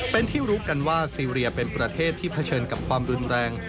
เป็นที่รู้กันว่าซีเรียเป็นประเทศที่เผชิญกับความรุนแรง